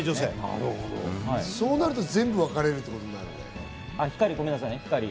そうなると全部分かれるってことになるか。